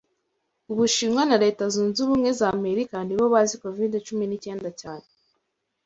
Ubushinwa na Leta zunwe ubumwe za America nibo bazi covid cumi n'icyenda cyane?